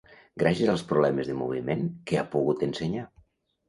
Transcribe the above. Gràcies als problemes de moviment, què ha pogut ensenyar?